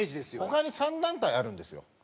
他に３団体あるんですよ。